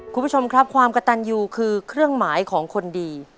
คุณผู้ชมครับความกระตันยูคือเครื่องหมายของคนดี